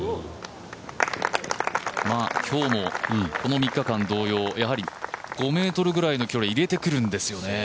今日もこの３日間同様やはり５ｍぐらいの距離入れてくるんですよね。